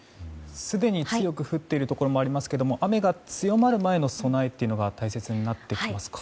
すでに強く降っているところもありますが雨が強まる前の備えというのが大切になってきますか？